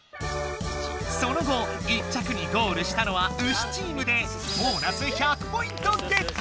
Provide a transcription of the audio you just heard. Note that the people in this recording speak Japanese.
その後１着にゴールしたのはウシチームでボーナス１００ポイントゲット！